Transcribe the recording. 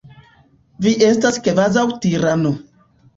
Vi estas kvazaŭ tirano.